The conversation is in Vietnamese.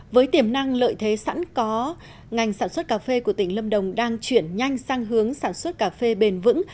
với tiềm năng lợi thế sẵn có ngành sản xuất cà phê của tỉnh lâm đồng đang chuyển nhanh sang hướng sản xuất cà phê bền vững